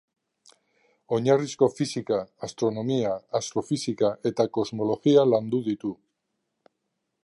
Oinarrizko fisika, astronomia, astrofisika eta kosmologia landu ditu.